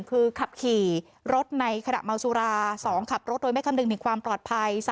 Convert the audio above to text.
คือขับขี่รถในขณะเมาสุรา๒ขับรถโดยไม่คำนึงถึงความปลอดภัย